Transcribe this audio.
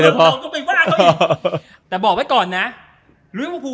นี่ช่างภาพแบะ